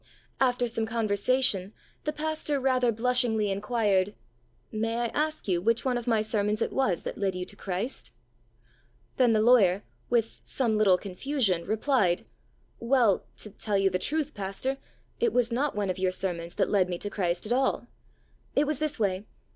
After some conversation, the pastor rather blushingly inquired, " May I ask you which one of my sermons it was that led you to Christ ? Then the lawyer, with some little confusion, replied, " Well, to tell you the truth, pastor, it was not one of your sermons that led me to Christ at all. It was this way.